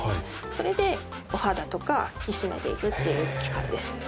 それでお肌とか引き締めていくっていう機械です。